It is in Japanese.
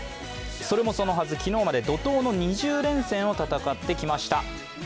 それもそのはず、昨日まで怒とうの２０連戦を戦ってきました。